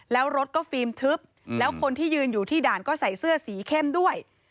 แล้วรถก็ฟิล์มทึบแล้วคนที่ยืนอยู่ที่ด่านก็ใส่เสื้อสีเข้มด้วย